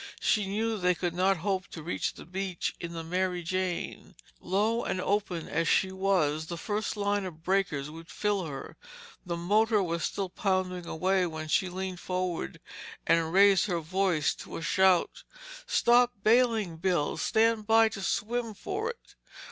She knew they could not hope to reach the beach in the Mary Jane. Low and open as she was, the first line of breakers would fill her. The motor was still pounding away when she leaned forward and raised her voice to a shout. "Stop bailing, Bill! Stand by to swim for it!"